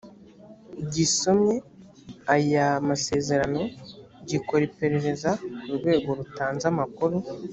gisomye ayaamasezerano gikora iperereza ku rwego rutanze amakuru